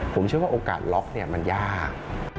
ผมเชื่อว่าโอกาสล็อกมันยาก